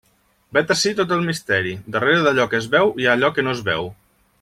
Vet ací tot el misteri: darrere d'allò que es veu hi ha allò que no es veu.